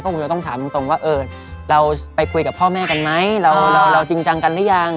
คงจะต้องถามตรงว่าเราไปคุยกับพ่อแม่กันไหมเราจริงจังกันหรือยัง